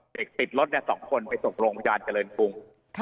เด็กติดรถเนี้ยสองคนไปส่งโรงพยาบาลเจริญกรุง